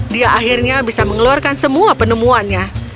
dia akhirnya bisa mengeluarkan semua penemuannya